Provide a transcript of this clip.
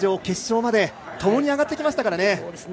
決勝までともに上がってきましたからね。